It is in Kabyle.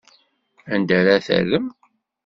Anda ara t-terrem?